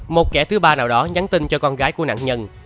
một kẻ thứ ba nào đó nhắn tin cho con gái của nạn nhân